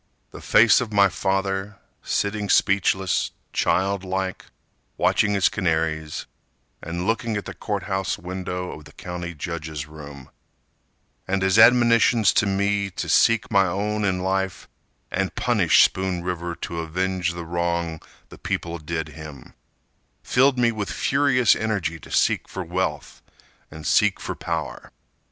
The face of my father, sitting speechless, Child like, watching his canaries, And looking at the court house window Of the county judge's room, And his admonitions to me to seek My own in life, and punish Spoon River To avenge the wrong the people did him, Filled me with furious energy To seek for wealth and seek for power.